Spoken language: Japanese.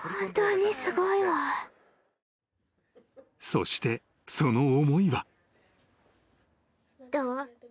［そしてその思いは］